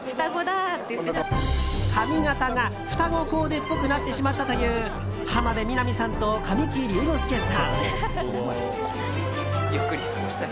髪形が双子コーデっぽくなってしまったという浜辺美波さんと神木隆之介さん。